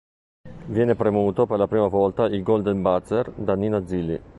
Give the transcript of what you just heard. Viene premuto per la prima volta il "golden buzzer" da Nina Zilli.